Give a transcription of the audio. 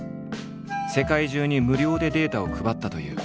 世界中に無料でデータを配ったという。